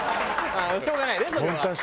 しょうがないねそれは。